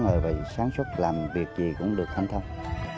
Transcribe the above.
ngoài vậy sáng suốt làm việc gì cũng được thanh thông